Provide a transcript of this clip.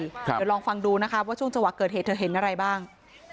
เดี๋ยวลองฟังดูนะคะว่าช่วงจังหวะเกิดเหตุเธอเห็นอะไรบ้าง